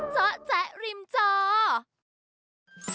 เจาะแจ๊ะริมจอ